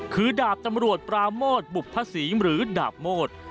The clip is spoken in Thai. คือดาบตำรวจปราโมทบุภศรีหรือดาบโมด